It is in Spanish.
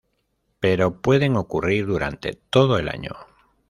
Pero pueden ocurrir durante todo el año.